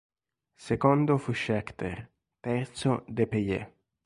Secondo fu Scheckter, terzo Depailler.